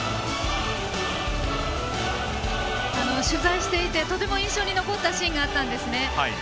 取材していてとても印象に残ったシーンがあったんですね。